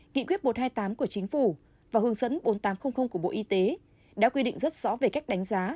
nghị quyết một trăm hai mươi tám của chính phủ và hướng dẫn bốn nghìn tám trăm linh của bộ y tế đã quy định rất rõ về cách đánh giá